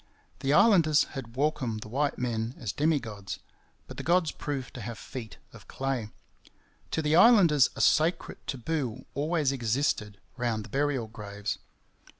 The islanders had welcomed the white men as demi gods, but the gods proved to have feet of clay. To the islanders a sacred 'taboo' always existed round the burial graves.